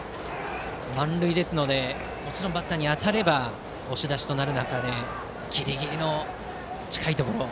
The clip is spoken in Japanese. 満塁ですのでもちろんバッターに当たれば押し出しになる中でギリギリのところ。